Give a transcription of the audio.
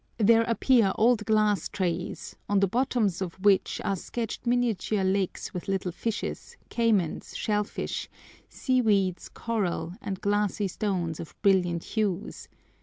There appear old glass trays, on the bottoms of which are sketched miniature lakes with little fishes, caymans, shell fish, seaweeds, coral, and glassy stones of brilliant hues.